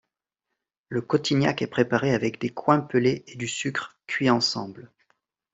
Le cotignac est préparé avec des coings pelés et du sucre, cuits ensemble.